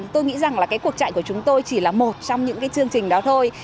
tôi nghĩ rằng là cuộc chạy của chúng tôi chỉ là một trong những chương trình đó thôi